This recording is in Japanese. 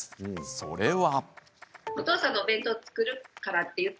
それは。